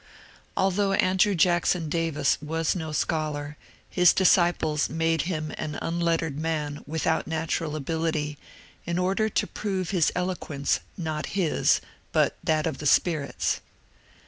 Aldiough Andrew Jackson Davis was no scholar, his dis ciples made him an unlettered man without natural ability, in order to prove his eloquence not his but that of the spirits.